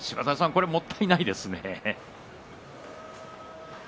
これはもったいないですね。